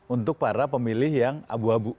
untuk para pemilih yang abu abu